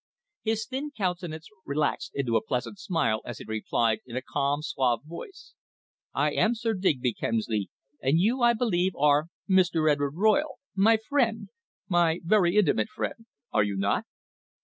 His thin countenance relaxed into a pleasant smile as he replied in a calm, suave voice: "I am Sir Digby Kemsley, and you I believe are Mr. Edward Royle my friend my very intimate friend are you not?"